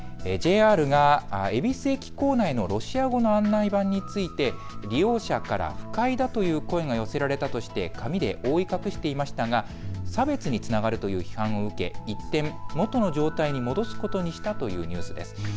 ＪＲが恵比寿駅構内のロシア語の案内板について利用者から不快だという声が寄せられたとして紙で覆い隠していましたが差別につながるという批判を受け一転、元の状態に戻すことにしたというニュースです。